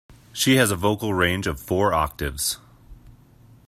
She has a vocal range of four octaves.